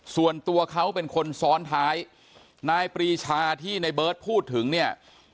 ส่วนตัวเขาเป็นคนซ้อนท้ายนายปรีชาที่ในเบิร์ตพูดถึงเนี่ย